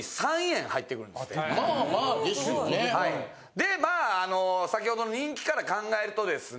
でまあ先ほどの人気から考えるとですね